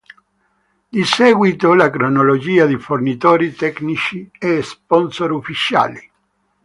Di seguito la cronologia di fornitori tecnici e sponsor ufficiali.